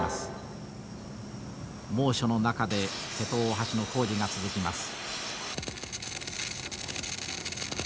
猛暑の中で瀬戸大橋の工事が続きます。